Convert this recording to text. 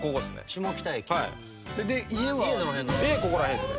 「下北駅」「家ここら辺っす」